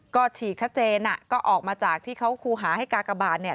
ก็ฉีกชัดเจนก็ออกมาจากที่เขาคูหาให้กากบาล